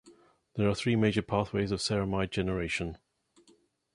There are three major pathways of ceramide generation.